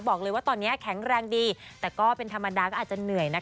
บอกเลยว่าตอนนี้แข็งแรงดีแต่ก็เป็นธรรมดาก็อาจจะเหนื่อยนะคะ